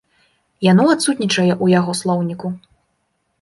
Яно адсутнічае ў яго слоўніку.